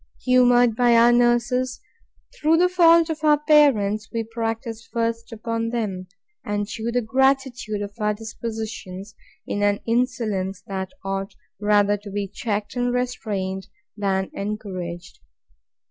Humoured by our nurses, through the faults of our parents, we practise first upon them; and shew the gratitude of our dispositions, in an insolence that ought rather to be checked and restrained, than encouraged.